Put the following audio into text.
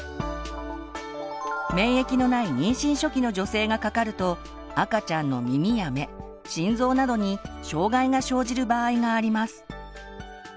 免疫のない妊娠初期の女性がかかると赤ちゃんの耳や目心臓などに障害が生じる場合があります。